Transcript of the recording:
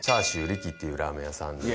っていうラーメン屋さん。